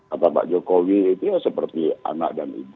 atau pak jokowi itu ya seperti anak dan ibu